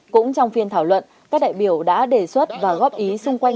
cũng trong phiên thảo luận các đại biểu đã đề xuất và góp ý xung quanh